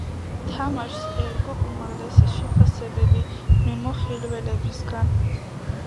თამაშს ერგო უმაღლესი შეფასებები მიმოხილველებისგან.